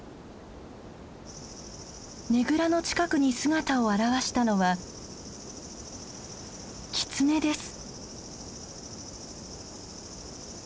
ねぐらの近くに姿を現したのはキツネです。